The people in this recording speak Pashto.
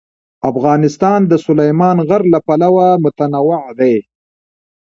افغانستان د سلیمان غر له پلوه متنوع دی.